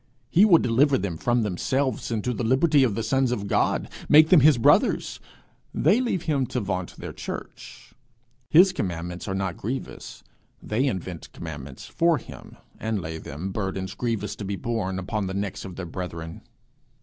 He would deliver them from themselves into the liberty of the sons of God, make them his brothers; they leave him to vaunt their church. His commandments are not grievous; they invent commandments for him, and lay them, burdens grievous to be borne, upon the necks of their brethren.